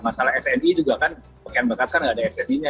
masalah sni juga kan pakaian bekas kan nggak ada sni nya